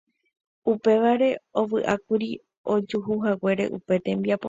Upévare ovy'ákuri ojuhuhaguére upe tembiapo.